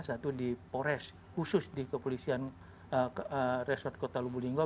satu di pores khusus di kepolisian resort kota lubulinggau